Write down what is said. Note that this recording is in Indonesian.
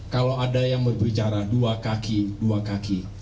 kalau ada yang berbicara dua kaki dua kaki